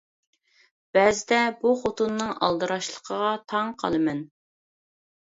بەزىدە بۇ خوتۇننىڭ ئالدىراشلىقىغا تاڭ قالىمەن.